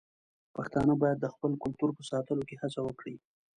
پښتانه بايد د خپل کلتور په ساتلو کې هڅه وکړي.